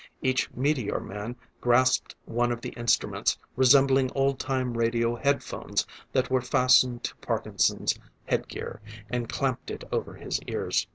Each meteor man grasped one of the instruments resembling old time radio head phones that were fastened to Parkinson's head gear, and clamped it over his ears.